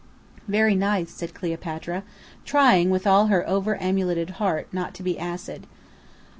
"Very nice," said Cleopatra, trying with all her over amuleted heart, not to be acid.